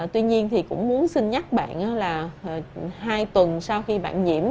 tuy nhiên thì cũng muốn xin nhắc bạn là hai tuần sau khi bạn nhiễm